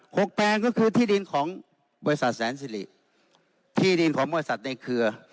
แปลงก็คือที่ดินของบริษัทแสนสิริที่ดินของบริษัทในเครือ